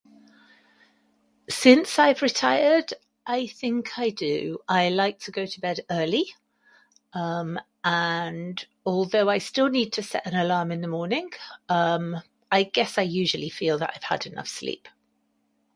Since I've retired, I think I do. I like to go to bed early. Um, and although I still need to set an alarm in the morning, um, I guess I usually feel that I've had enough sleep.